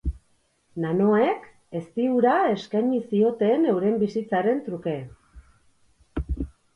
Nanoek, ezti-ura eskaini zioten euren bizitzaren truke.